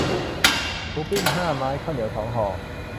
หมูปิ้งห้าไม้ ข้าวเหนียวสองห่อ